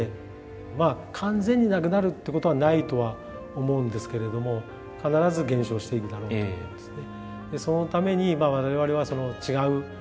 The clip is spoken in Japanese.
まあ完全になくなるってことはないとは思うんですけれども必ず減少していくだろうと思うんですね。